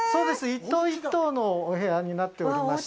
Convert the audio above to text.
一棟一棟のお部屋になっています。